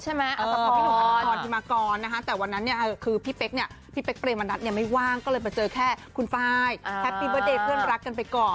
สมัยไหนเนี่ยถ่ายอีกกี๊หรือเปล่า